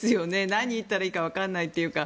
何言ったらいいかわからないというか。